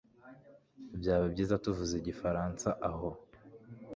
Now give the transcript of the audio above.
Byaba byiza tuvuze igifaransa aho